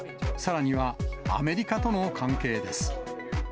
さらにはアメリカとの関係です。